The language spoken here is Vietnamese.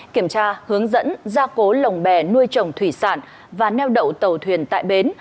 kiểm tra hướng dẫn gia cố lồng bè nuôi trồng thủy sản và neo đậu tàu thuyền tại bến